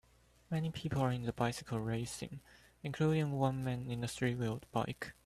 Many people are in the bicycle racing, including one man in a threewheeled bike.